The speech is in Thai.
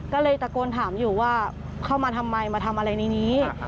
ก็เลยตะโกนถามอยู่ว่าเข้ามาทำไมมาทำอะไรในนี้